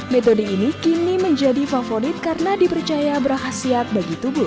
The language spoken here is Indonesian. metode ini kini menjadi favorit karena dipercaya berhasil bagi tubuh